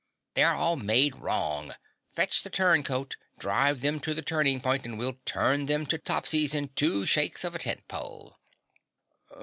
"They're all made wrong. Fetch the Turn Coat, drive them to the turning point and we'll turn them to Topsies in two shakes of a tent pole."